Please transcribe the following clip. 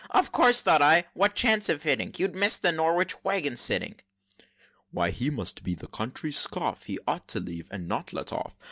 Of course, thought I what chance of hitting? You'd miss the Norwich wagon, sitting!" "Why, he must be the country's scoff! He ought to leave, and not let, off!